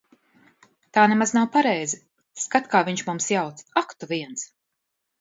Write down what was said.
Tā nemaz nav pareizi. Skat, kā viņš mums jauc. Ak tu viens.